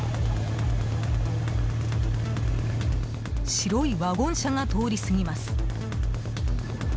白いワゴン車が通り過ぎます。